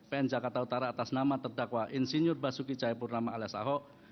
pn jakarta utara atas nama terdakwa insinyur basuki cahayapurnama alias ahok